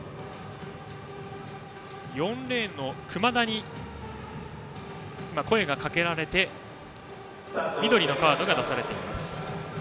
４レーンの熊田に声がかけられて緑のカードが出されました。